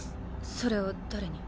それを誰に？